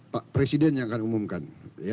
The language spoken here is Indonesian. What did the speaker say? pak presiden yang akan umumkan